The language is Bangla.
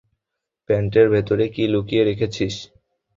প্যান্টের ভেতরে কী লুকিয়ে রেখেছিস।